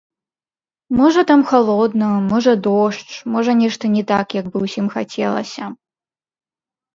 Можа там халодна, можа дождж, можа нешта не так, як бы ўсім хацелася.